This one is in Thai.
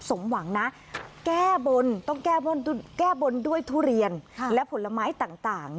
สมหวังนะแก้บนต้องแก้บนแก้บนด้วยทุเรียนและผลไม้ต่าง